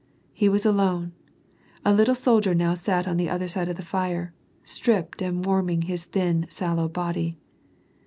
He was alone ; a little soldier now sat on the other side of the fire, stripped, and warming his thin, sallow body.